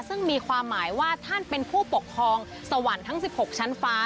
ซึ่งมีความหมายว่าท่านเป็นผู้ปกครองสวรรค์ทั้ง๑๖ชั้นฟ้า